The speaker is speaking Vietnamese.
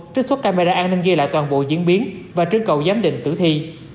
trích xuất camera an ninh ghi lại toàn bộ diễn biến và trên cầu giám định tử thi